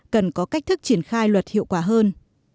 cần có cách thức triển khai luật hiệu quả hơn